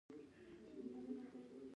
زموږ ټولنیزه او کورنۍ روزنه داسې شوي